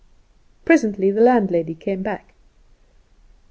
Presently the landlady came back.